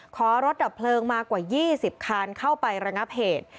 ขอรถดับเพลิงมากว่า๒๐คันเข้าไประงับเหตุ